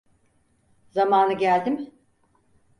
Zamanı geldi mi?